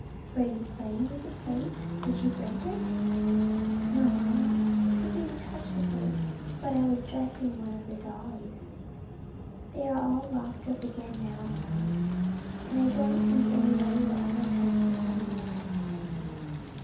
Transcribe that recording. "Were you playing with the plate? did you break it?" "No mamma, I didn't touch the plates, but I was dressing one of the dollies. They are all locked up again now, mamma, and I don't think anybody will touch them any more."